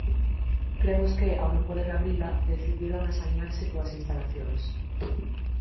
Cremos que, ao non poder abrila, decidiron asañarse coas instalacións.